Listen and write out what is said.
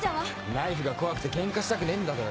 ナイフが怖くてケンカしたくねえんだとよ。